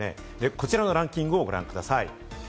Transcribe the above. こちらのランキングをご覧ください。